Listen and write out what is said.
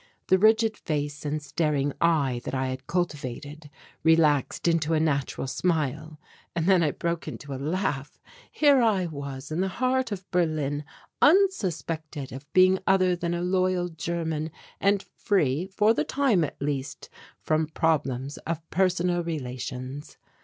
The rigid face and staring eye that I had cultivated relaxed into a natural smile and then I broke into a laugh. Here I was in the heart of Berlin, unsuspected of being other than a loyal German and free, for the time at least, from problems of personal relations.